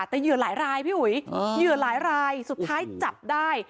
แต่เหยื่อหลายรายพี่อุ๋ยเหยื่อหลายรายสุดท้ายจับได้